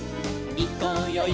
「いこうよい